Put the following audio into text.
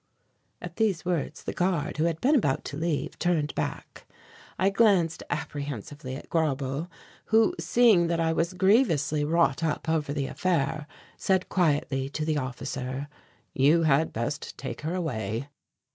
At these words the guard, who had been about to leave, turned back. I glanced apprehensively at Grauble who, seeing that I was grievously wrought up over the affair, said quietly to the officer, "You had best take her away."